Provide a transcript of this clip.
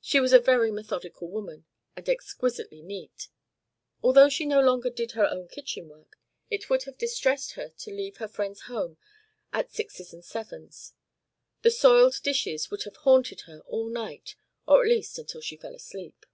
She was a very methodical woman and exquisitely neat. Although she no longer did her own kitchen work, it would have distressed her to leave her friend's little home at "sixes and sevens"; the soiled dishes would have haunted her all night, or at least until she fell asleep.